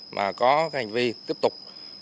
mà có hành vi tiếp tục